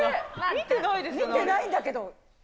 見てないんだけど。